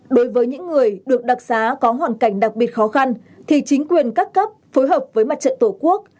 đối với những người được đặc xá có hoàn cảnh đặc biệt khó khăn thì chính quyền các cấp phối hợp với mặt trận tổ quốc